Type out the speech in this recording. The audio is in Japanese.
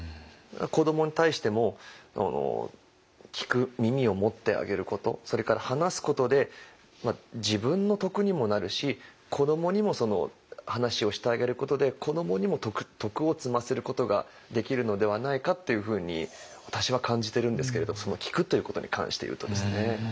子どもに対しても聞く耳を持ってあげることそれから話すことで自分の徳にもなるし子どもにもその話をしてあげることで子どもにも徳を積ませることができるのではないかっていうふうに私は感じてるんですけれどその聴くということに関していうとですね。